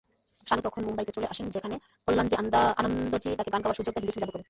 শানু তখন মুম্বাই তে চলে আসেন, যেখানে কল্যাণজী-আনান্দজী তাকে গান গাওয়ার সুযোগ দেন হিন্দি ছবি "যাদুকর" এ।